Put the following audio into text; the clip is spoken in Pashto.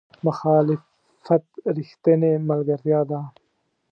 مخالفت رښتینې ملګرتیا ده.